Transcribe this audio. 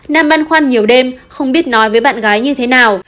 nam băn khoăn nhiều đêm không biết nói với bạn gái như thế nào